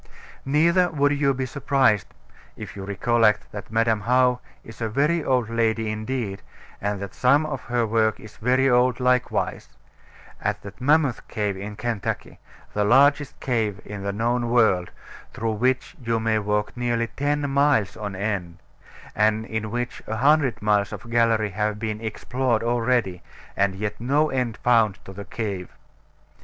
Neither would you be surprised (if you recollect that Madam How is a very old lady indeed, and that some of her work is very old likewise) at that Mammoth Cave in Kentucky, the largest cave in the known world, through which you may walk nearly ten miles on end, and in which a hundred miles of gallery have been explored already, and yet no end found to the cave.